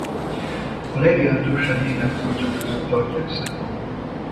A legjelentősebb német költők között tartják számon.